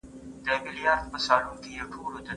صنعتي وده د کاري فرصتونو سبب کیږي.